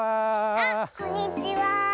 あっこんにちは。